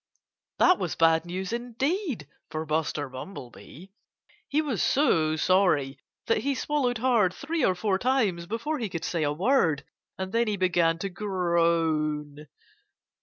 That was bad news indeed for Buster Bumblebee. He was so sorry that he swallowed hard three or four times before he could say a word. And then he began to groan.